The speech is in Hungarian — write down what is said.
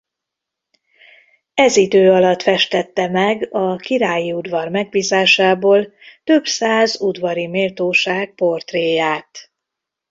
Ez idő alatt festette meg a királyi udvar megbízásából több száz udvari méltóság portréját.